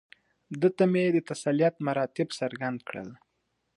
ده ته مې د تسلیت مراتب څرګند کړل.